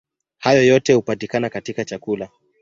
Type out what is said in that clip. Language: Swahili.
Hayo yote hupatikana katika chakula.